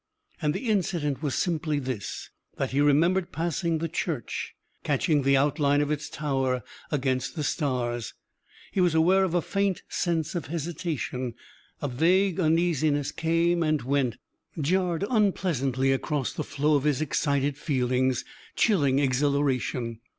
And the incident was simply this that he remembered passing the church. Catching the outline of its tower against the stars, he was aware of a faint sense of hesitation. A vague uneasiness came and went jarred unpleasantly across the flow of his excited feelings, chilling exhilaration.